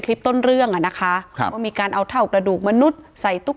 คลิปต้นเรื่องอ่ะนะคะครับว่ามีการเอาเท่ากระดูกมนุษย์ใส่ตุ๊ก